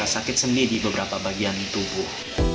sakit sendi di beberapa bagian tubuh